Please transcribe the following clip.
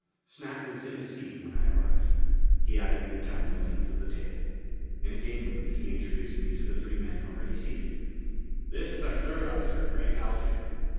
Snap was in his seat when I arrived. He eyed me down the length of the table. In a gay mood, he introduced me to the three men already seated: "This is our third officer, Gregg Haljan.